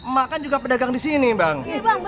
makan juga pedagang disini bang